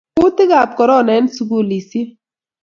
Kutikab korona eng sukulisiek